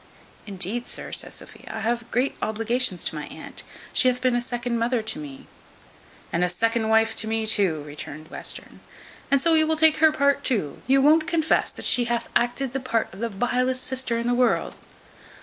"Indeed, sir," says Sophia, "I have great obligations to my aunt. She hath been a second mother to me." "And a second wife to me too," returned Western; "so you will take her part too! You won't confess that she hath acted the part of the vilest sister in the world?"